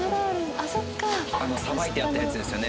あのさばいてあったやつですよね？